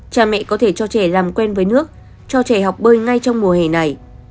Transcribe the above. cha mẹ có thể cho trẻ làm quen với nước cho trẻ học bơi ngay trong mùa hè này